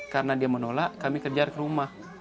karena dia menolak kami kejar ke rumah